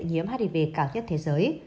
nhiễm hiv cao nhất thế giới